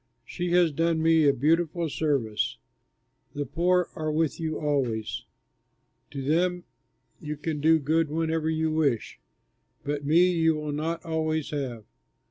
She has done me a beautiful service. The poor are with you always; to them you can do good whenever you wish, but me you will not always have.